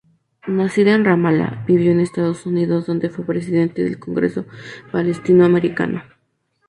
Nacida en Ramala, vivió en Estados Unidos donde fue presidente del Congreso Palestino-Americano.